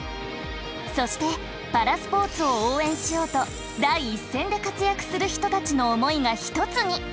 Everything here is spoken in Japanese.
そしてパラスポーツを応援しようと第一線で活躍する人たちの思いが一つに。